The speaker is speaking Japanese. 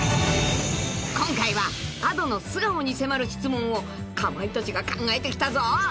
［今回はＡｄｏの素顔に迫る質問をかまいたちが考えてきたぞ］